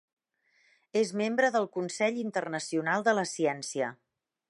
És membre del Consell Internacional de la Ciència.